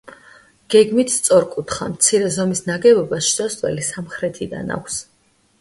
გეგმით სწორკუთხა, მცირე ზომის ნაგებობას შესასვლელი სამხრეთიდან აქვს.